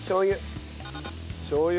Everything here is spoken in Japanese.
しょう油。